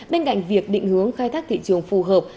bên cạnh việc định hướng khai thác thị trường phù hợp